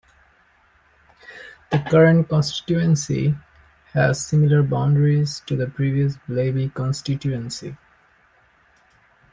The current constituency has similar boundaries to the previous Blaby constituency.